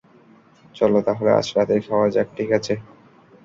চল তাহলে আজ রাতেই খাওয়া যাক - ঠিক আছে।